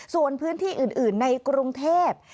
ส่วนพื้นที่อื่นในกรุงเทพ